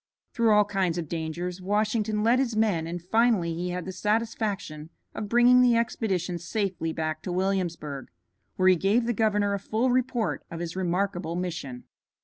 Through all kinds of dangers Washington led his men, and finally he had the satisfaction of bringing the expedition safely back to Williamsburg, where he gave the governor a full report of his remarkable mission.